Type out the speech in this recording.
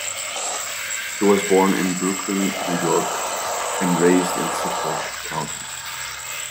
He was born in Brooklyn, New York, and raised in Suffolk County.